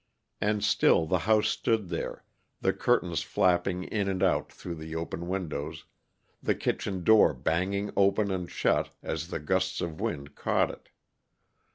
And still the house stood there, the curtains flapping in and out through the open windows, the kitchen door banging open and shut as the gusts of wind caught it.